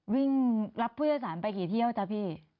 วิ่งรับผู้โดยสารไปกี่เที่ยวจ๊ะพี่